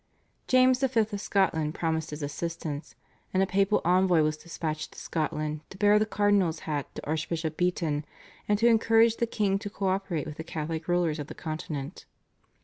James V. of Scotland promised his assistance, and a papal envoy was dispatched to Scotland to bear the cardinal's hat to Archbishop Beaton, and to encourage the king to co operate with the Catholic rulers of the Continent.